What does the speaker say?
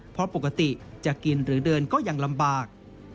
เพราะปกติจะกินหรือเดินก็ยังลำบาก